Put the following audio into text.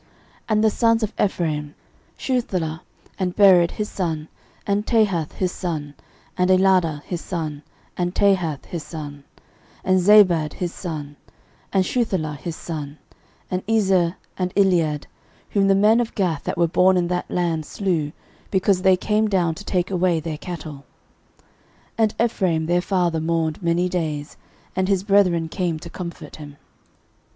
13:007:020 And the sons of Ephraim; Shuthelah, and Bered his son, and Tahath his son, and Eladah his son, and Tahath his son, 13:007:021 And Zabad his son, and Shuthelah his son, and Ezer, and Elead, whom the men of Gath that were born in that land slew, because they came down to take away their cattle. 13:007:022 And Ephraim their father mourned many days, and his brethren came to comfort him.